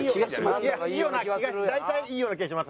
大体いいような気がします。